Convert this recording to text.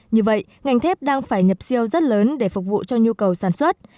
như vậy ngành thép đang phải nhập siêu rất lớn để phục vụ cho nhu cầu sản xuất